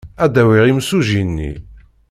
Ad d-awiɣ imsujji-nni.